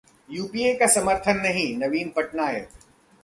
UPA को समर्थन नहीं: नवीन पटनायक